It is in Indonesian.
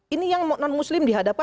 ini yang non muslim dihadapkan